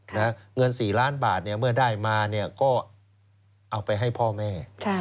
เงิน๔ล้านบาทเนี่ยเมื่อได้มาเนี่ยก็เอาไปให้พ่อแม่